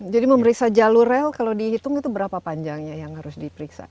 jadi memeriksa jalur rel kalau dihitung itu berapa panjangnya yang harus diperiksa